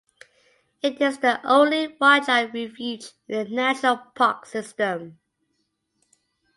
It is the only "wildlife refuge" in the National Park System.